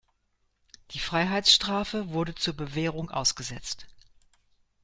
Die Freiheitsstrafe wurde zur Bewährung ausgesetzt.